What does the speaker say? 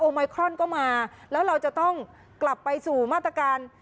ไมครอนก็มาแล้วเราจะต้องกลับไปสู่มาตรการ